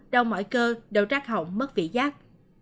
đau mỏi cơ đầu rác hỏng mất vị giác